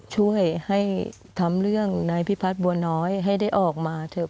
ช่วยให้ทำเรื่องนายพิพัฒน์บัวน้อยให้ได้ออกมาเถอะ